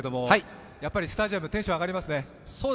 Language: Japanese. やっぱりスタジアム、テンション上がりますね。